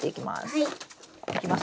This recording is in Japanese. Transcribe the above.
はい。